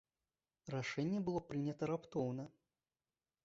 Рашэнне было прынята раптоўна.